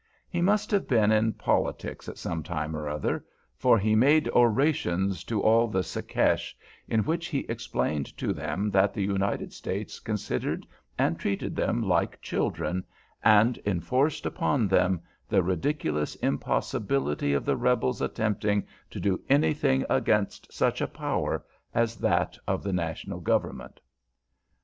He must have been in politics at some time or other, for he made orations to all the "Secesh," in which he explained to them that the United States considered and treated them like children, and enforced upon them the ridiculous impossibility of the Rebels attempting to do anything against such a power as that of the National Government.